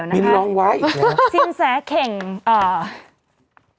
เดี๋ยวนะครับซิ้นแสเข่งเอ่อ